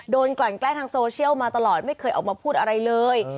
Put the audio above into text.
กลั่นแกล้งทางโซเชียลมาตลอดไม่เคยออกมาพูดอะไรเลย